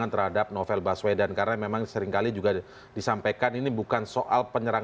termasuk novel sendiri begitu ragu bahkan pesimis ya